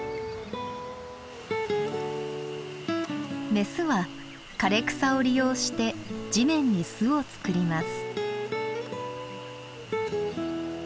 メスは枯れ草を利用して地面に巣を作ります。